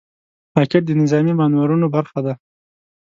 راکټ د نظامي مانورونو برخه ده